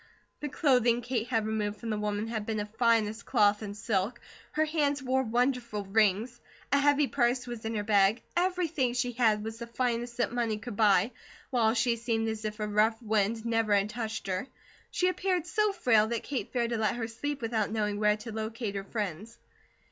The clothing Kate had removed from the woman had been of finest cloth and silk. Her hands wore wonderful rings. A heavy purse was in her bag. Everything she had was the finest that money could buy, while she seemed as if a rough wind never had touched her. She appeared so frail that Kate feared to let her sleep without knowing where to locate her friends.